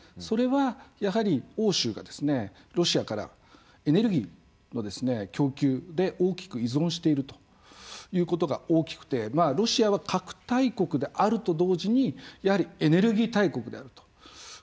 それはやはり欧州がロシアからエネルギーの供給で大きく依存しているということが大きくてロシアは核大国であると同時にやはりエネルギー大国であると。